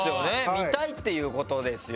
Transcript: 見たいっていう事ですよ